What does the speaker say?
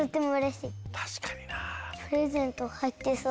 プレゼントはいってそう。